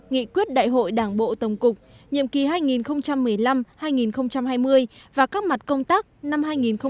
nghị quyết đại hội đảng bộ tổng cục nhiệm kỳ hai nghìn một mươi năm hai nghìn hai mươi và các mặt công tác năm hai nghìn hai mươi